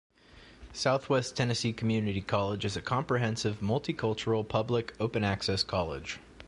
Southwest Tennessee Community College is a comprehensive, multicultural, public, open-access college.